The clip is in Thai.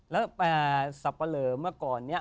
แล้วสับปะเลอเมื่อก่อนเนี่ย